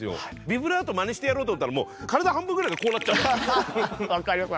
ビブラートまねしてやろうと思ったらもう体半分ぐらいがこうなっちゃうんですよ。